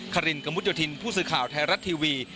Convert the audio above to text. ขารินกำบุฏิทินผู้สื่อข่าวไทยรัฐทีวี